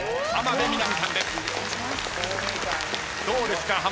どうですか？